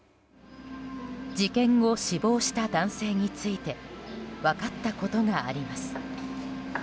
事件後、死亡した男性について分かったことがあります。